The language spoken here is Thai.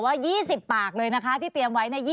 ว่า๒๐ปากเลยนะคะที่เตรียมไว้